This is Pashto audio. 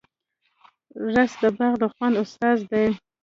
رس د باغ د خوند استازی دی